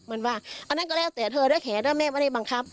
อันนั้นก็แล้วเตี๋ยวเธอด้วยแขนแล้วแม่ไม่ได้บังคับ